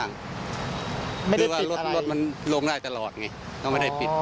คือว่ารถมันลงได้ตลอดไงก็ไม่ได้ปิด